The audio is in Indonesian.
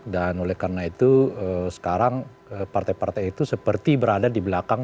oleh karena itu sekarang partai partai itu seperti berada di belakang